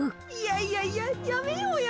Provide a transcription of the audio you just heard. いやいややめようや。